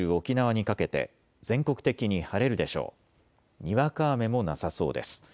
にわか雨もなさそうです。